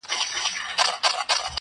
ایله چي په امان دي له واسکټه سوه وګړي!!